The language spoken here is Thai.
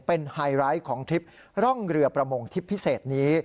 เป็นไฮไลท์ของทริปร่องเรือประมงทริปพิเศษนี้